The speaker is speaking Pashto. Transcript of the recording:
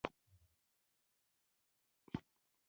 دولت په چټکۍ د زېربنا جوړولو ته مخه کړه.